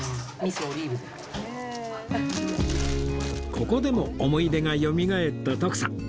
ここでも思い出がよみがえった徳さん